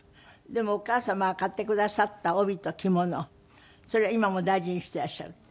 でもお母様が買ってくださった帯と着物それは今も大事にしていらっしゃるって。